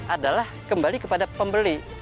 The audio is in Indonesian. adalah kembali kepada pembeli